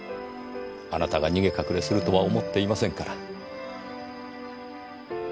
あなたが逃げ隠れするとは思っていませんから。